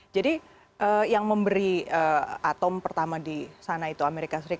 jadi yang memberi atom pertama di sana itu amerika serikat